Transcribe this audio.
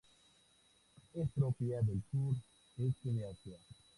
Es propia del sur este de Asia.